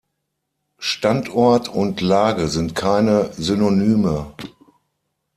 Standort und Lage sind keine Synonyme.